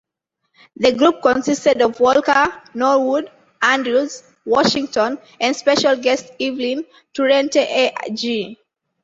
The group consisted of Walker, Norwood, Andrews, Washington, and special guest Evelyn Turrentine-Agee.